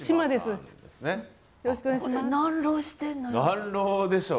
何浪でしょう？